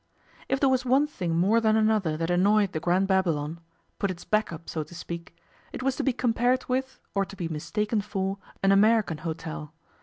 If there was one thing more than another that annoyed the Grand Babylon put its back up, so to speak it was to be compared with, or to be mistaken for, an American hotel.